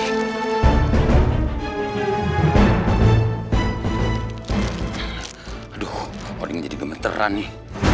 aduh orinya jadi gemeteran nih